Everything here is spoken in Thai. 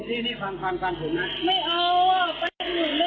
นี่ฟังผมนะ